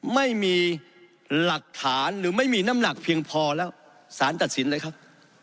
ไม่มีหลักฐานหรือไม่มีน้ำหนักเพียงพอแล้วสารตัดสินเลยครับ